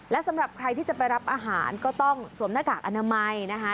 และสำหรับใครที่จะไปรับอาหารก็ต้องสวมหน้ากากอนามัยนะคะ